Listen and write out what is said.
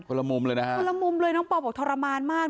ละมุมเลยนะฮะคนละมุมเลยน้องปอบอกทรมานมาก